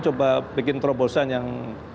coba bikin terobosan yang